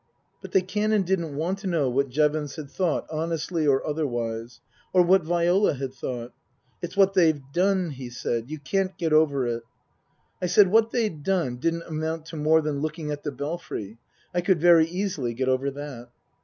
But the Canon didn't want to know what Jevons had thought, honestly or otherwise. Or what Viola had thought. " It's what they've done," he said. ' You can't get over it." I said what they'd done didn't amount to more than looking at the Belfry. I could very easily get over that.